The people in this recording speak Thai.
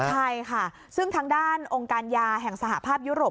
ใช่ค่ะซึ่งทางด้านองค์การยาแห่งสหภาพยุโรป